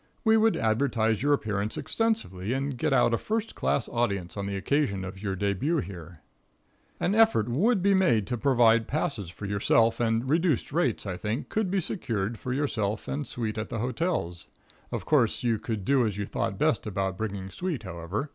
We would advertise your appearance extensively and get out a first class audience on the occasion of your debut here. [Illustration: QUEEN VIC. READING.] An effort would be made to provide passes for yourself, and reduced rates, I think, could be secured for yourself and suite at the hotels. Of course you could do as you thought best about bringing suite, however.